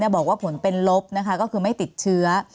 บอกว่าผลเป็นลบก็คือไม่ติดเชื้อ